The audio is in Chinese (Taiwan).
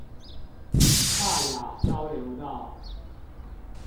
大雅交流道